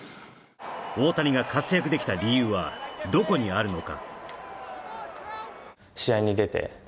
大谷が活躍できた理由はどこにあるのか？